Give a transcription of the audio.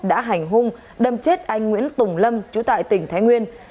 đã hành hung đâm chết anh nguyễn tùng lâm chú tại tỉnh thái nguyên